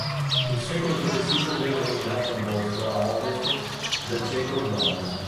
Il secolo successivo venne eliminato il bosco ad ovest del centro urbano.